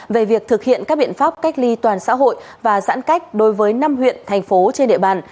về việc thực hiện các biện pháp cách ly toàn xã hội và giãn cách đối với năm huyện thành phố trên địa bàn